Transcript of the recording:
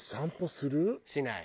しない。